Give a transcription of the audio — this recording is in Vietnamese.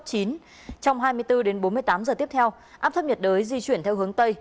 trong hai mươi bốn đến bốn mươi tám giờ tiếp theo áp thấp nhiệt đới di chuyển theo hướng tây